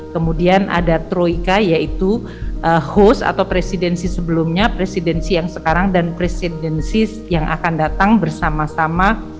kemudian ada troika yaitu host atau presidensi sebelumnya presidensi yang sekarang dan presidensis yang akan datang bersama sama